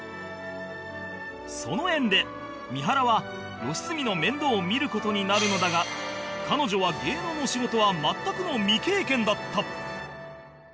その縁で三原は良純の面倒を見る事になるのだが彼女は芸能の仕事は全くの未経験だった